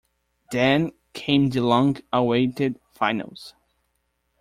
Then came the long-awaited finals.